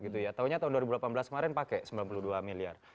taunya tahun dua ribu delapan belas kemarin pakai sembilan puluh dua miliar